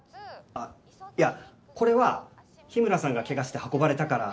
あいやこれは日村さんが怪我して運ばれたから。